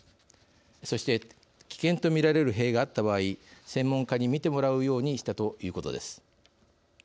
そして危険と見られる塀があった場合専門家に見てもらうようにしたということです。